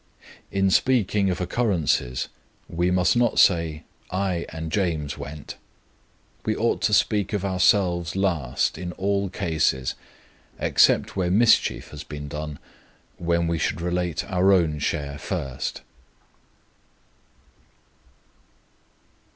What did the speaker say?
In speaking of occurrences, we must not say, "I and James went." We ought to speak of ourselves last in all cases, except where mischief has been done, when we should relate our own share first.